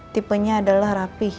tipenya adalah rapih